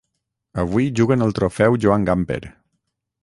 Avui juguen el trofeu Joan Gamper.